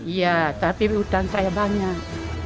iya tapi hutan saya banyak